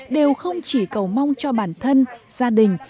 đều không chỉ cầu mong cho bản thân gia đình